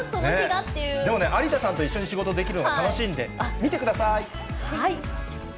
でもね、有田さんと一緒に仕事できるのが楽しいんで、見てください。